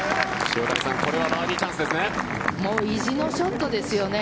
塩谷さん、これはバーディーチャンスですね。